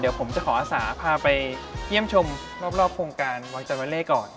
เดี๋ยวผมจะขออาศาพาไปเยี่ยมชมรอบโครงการวังจันวาเล่ก่อน